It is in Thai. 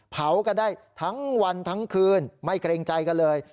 เผากันได้ทั้งวันทั้งคืนไม่เกรงใจกันเลย